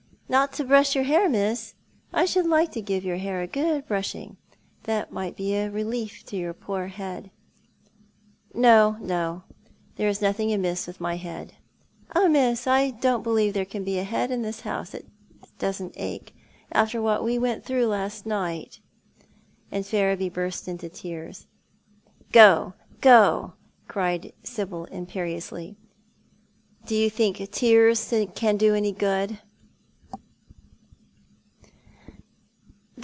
" Not to brush your hair, miss ? I should like to give your hair a good brushing. It might be a relief to your poor head." " No, no. There is nothing amiss with my head." " Oh, miss, I don't believe there can be a head in this house as doesn't ache— after what we all went through last night," and Ferriby burst into tears. " Go, go !" cried Sibyl, imperiously. " Do you think tears can do any good